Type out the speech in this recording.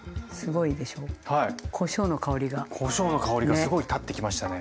こしょうの香りがすごいたってきましたね。